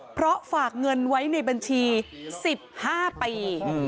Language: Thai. เพราะฝากเงินไว้ในบัญชี๑๕ปี